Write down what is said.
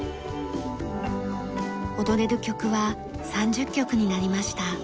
踊れる曲は３０曲になりました。